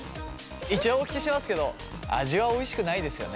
一応お聞きしますけど味はおいしくないですよね？